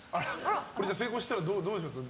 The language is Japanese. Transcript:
これ、成功したらどうします？